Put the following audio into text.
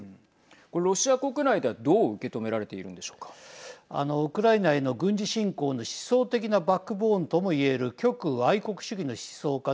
これロシア国内では、どう受け止められてウクライナへの軍事侵攻の思想的なバックボーンとも言える極右愛国主義の思想家